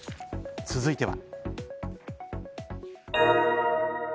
続いては。